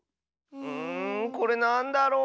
んこれなんだろう？